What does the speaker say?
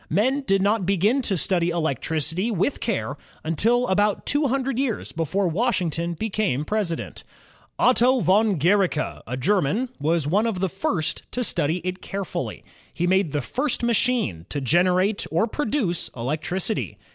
Men did not begin ,to study electricity with care until about two hundred years before Washington became President. Otto von Guericke, a German, was one of the first to study it carefully. He made the first machine to gener AIJI ELECTRIC machine: a, t I cuss disk; P a ate or produce electricity.